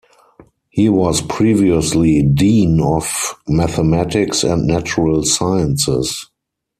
He was previously Dean of Mathematics and Natural Sciences.